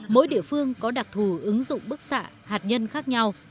mỗi địa phương có đặc thù ứng dụng bức xạ hạt nhân khác nhau